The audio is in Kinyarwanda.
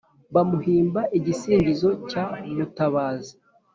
bamuhimba igisingizo cya "mutabazi."